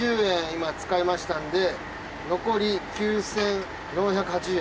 今使いましたんで残り９，４８０円。